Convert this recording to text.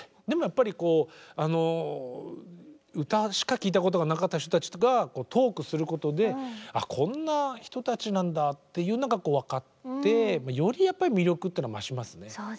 でもやっぱりこう歌しか聴いたことがなかった人たちがトークすることであこんな人たちなんだというのが分かってよりやっぱり魅力っていうのは増しますね。